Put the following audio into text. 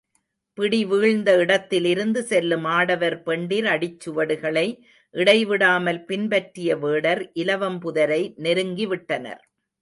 பிடிவீழ்ந்த இடத்திலிருந்து செல்லும் ஆடவர் பெண்டிர் அடிச்சுவடுகளை இடை விடாமல் பின்பற்றிய வேடர் இலவம் புதரை நெருங்கி விட்டனர்.